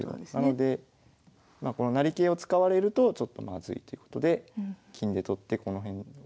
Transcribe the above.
なのでこの成桂を使われるとちょっとまずいということで金で取ってこの辺ブロックしていますね。